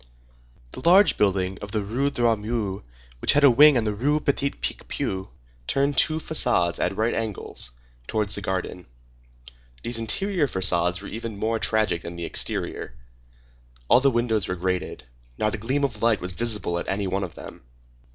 The large building of the Rue Droit Mur, which had a wing on the Rue Petit Picpus, turned two façades, at right angles, towards this garden. These interior façades were even more tragic than the exterior. All the windows were grated. Not a gleam of light was visible at any one of them.